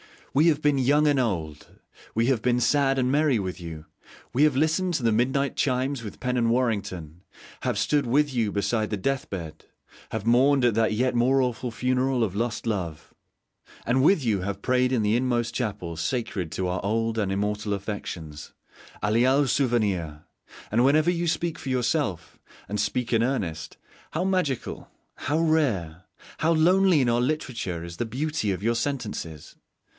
We have been young and old, we have been sad and merry with you, we have listened to the mid night chimes with Pen and Warrington, have stood with you beside the death bed, have mourned at that yet more awful funeral of lost love, and with you have prayed in the inmost chapel sacred to our old and immortal affections, a' léal souvenir! And whenever you speak for yourself, and speak in earnest, how magical, how rare, how lonely in our literature is the beauty of your sentences!